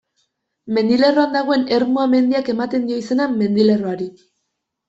Mendilerroan dagoen Ermua mendiak ematen dio izena mendilerroari.